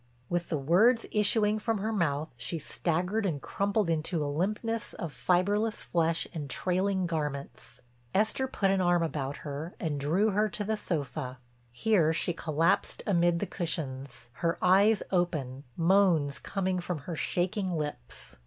With the words issuing from her mouth she staggered and crumpled into a limpness of fiberless flesh and trailing garments. Esther put an arm about her and drew her to the sofa. Here she collapsed amid the cushions, her eyes open, moans coming from her shaking lips.